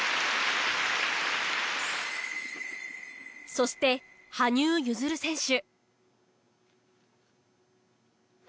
そして羽生結弦選手。